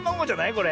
これ。